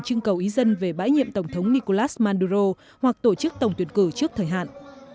chưng cầu ý dân về bãi nhiệm tổng thống nicolas maduro hoặc tổ chức tổng tuyển cử trước thời hạn